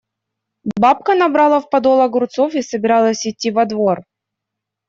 Бабка набрала в подол огурцов и собиралась идти во двор.